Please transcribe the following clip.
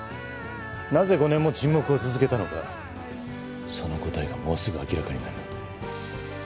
なぜ５年も沈黙を続けたのかその答えがもうすぐ明らかになる。